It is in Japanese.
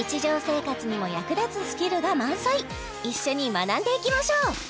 一緒に学んでいきましょう